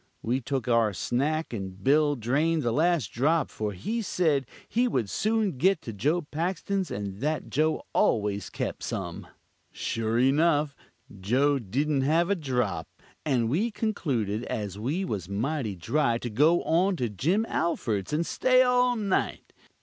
We took our snack, and Bill drained the last drop, for he said we would soon git to Joe Paxton's, and that Joe always kept some. Shore enuff Joe dident have a drop, and we concluded, as we was mighty dry, to go on to Jim Alford's, and stay all night.